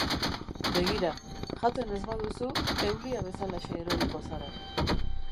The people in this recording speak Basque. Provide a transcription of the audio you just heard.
Begira, jaten ez baduzu eulia bezalaxe eroriko zara.